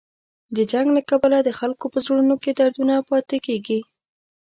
د جنګ له کبله د خلکو په زړونو کې دردونه پاتې کېږي.